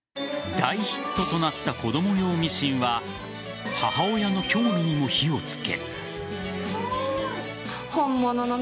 大ヒットとなった子供用ミシンは母親の興味にも火を付け。